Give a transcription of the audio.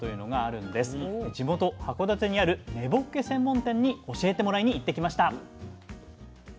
地元函館にある根ぼっけ専門店に教えてもらいに行ってきました。